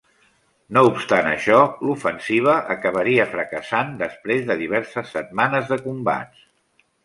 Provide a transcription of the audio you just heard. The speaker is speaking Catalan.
No obstant això, l'ofensiva acabaria fracassant després de diverses setmanes de combats.